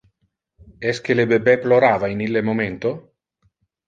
Esque le bebe plorava in ille momento?